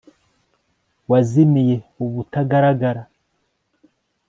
Wazimiye ubu utagaragara